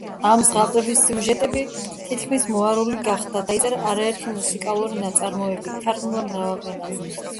ამ ზღაპრების სიუჟეტები თითქმის მოარული გახდა; დაიწერა არაერთი მუსიკალური ნაწარმოები, ითარგმნა მრავალ ენაზე.